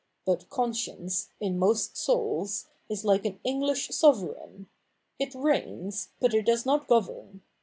But conscience, in most souls, is like an English Sovereign — it reigns, but it does not govern.